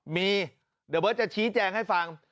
มีเดี๋ยวเบิร์ตจะชี้แจงให้ฟัง